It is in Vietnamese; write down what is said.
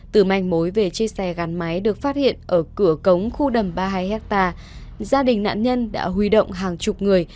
từ manh mối về chiếc xe gắn máy được phát hiện ở cửa cống khu đầm ba mươi hai hectare gia đình nạn nhân đã huy động hàng chục người